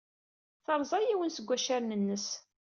Terẓa yiwen seg waccaren-nnes.